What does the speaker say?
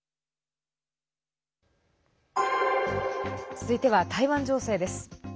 続いては台湾情勢です。